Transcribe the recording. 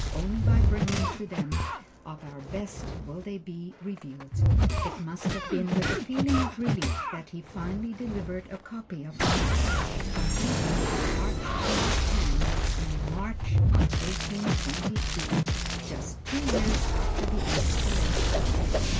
Only by bringing to them of our best will they be revealed. It must have been with a feeling of relief that he finally delivered a copy of the Mass complete into the Archduke's hands in March of 1822, just two years after the Installation.